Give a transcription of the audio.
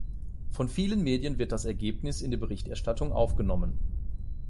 Von vielen Medien wird das Ergebnis in die Berichterstattung aufgenommen.